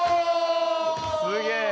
すげえ。